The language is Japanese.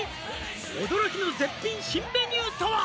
「驚きの絶品新メニューとは？」